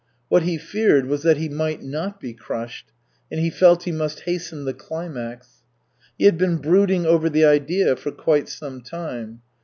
What he feared was that he might not be crushed, and he felt he must hasten the climax. He had been brooding over the idea for quite some time.